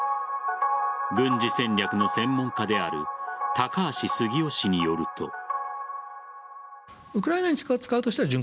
軍事戦略の専門家である高橋杉雄氏によると。